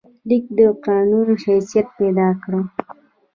لیک د قانون حیثیت پیدا کړ.